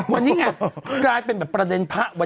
วันนี้ไงใกล้เป็นประเด็นพระ